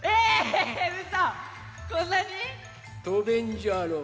とべんじゃろう？